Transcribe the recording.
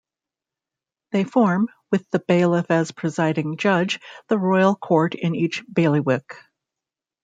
They form, with the Bailiff as presiding judge, the Royal Court in each Bailiwick.